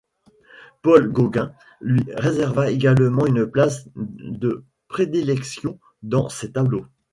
Paul Gauguin lui réserva également une place de prédilection dans ses tableaux.